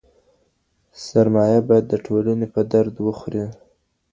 سرمایه باید د ټولني په درد وخوري.